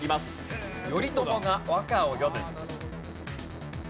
頼朝が和歌を詠む。